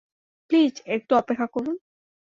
Please, একটু অপেক্ষা করুন!